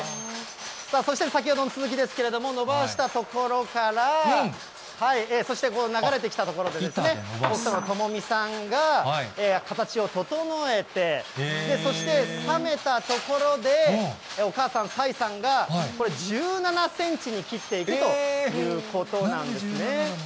さあ、そして先ほどの続きですけれども、伸ばしたところから、そしてこの流れてきたところでですね、友美さんが形を整えて、そして冷めたところでお母さん、西さんが、これ１７センチに切っていくということなんですね。